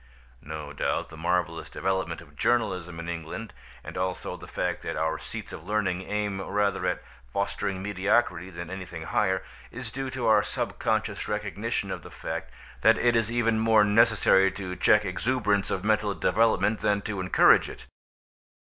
No doubt the marvellous development of journalism in England, as also the fact that our seats of learning aim rather at fostering mediocrity than anything higher, is due to our subconscious recognition of the fact that it is even more necessary to check exuberance of mental development than to encourage it.